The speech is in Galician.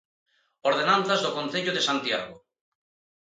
Ordenanzas do concello de Santiago.